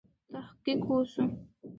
تحقیق وسو.